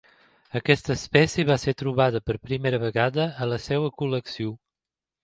Aquesta espècie va ser trobada per primera vegada a la seva col·lecció.